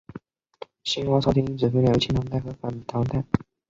新罗朝延因此分裂为亲唐派和反唐派。